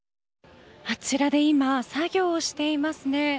あちらで今作業をしていますね。